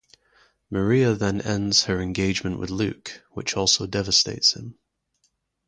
Maria then ends her engagement with Luke, which also devastates him.